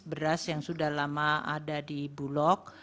beras yang sudah lama ada di bulog